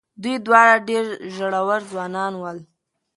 دوی دواړه ډېر زړور ځوانان ول.